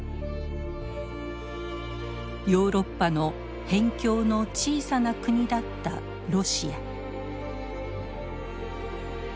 ヨーロッパの辺境の小さな国だったロシア。